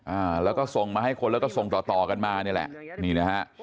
อ่าแล้วก็ส่งมาให้คนแล้วก็ส่งต่อต่อกันมานี่แหละนี่นะฮะ